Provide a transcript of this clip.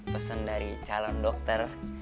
pesan dari calon dokter